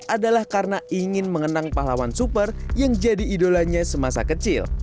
adalah karena ingin mengenang pahlawan super yang jadi idolanya semasa kecil